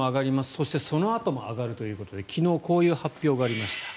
そしてそのあとも上がるということで昨日こういう発表がありました。